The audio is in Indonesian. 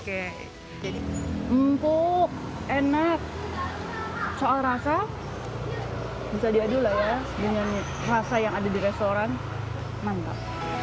oke jadi empuk enak soal rasa bisa diadu lah ya dengan rasa yang ada di restoran mantap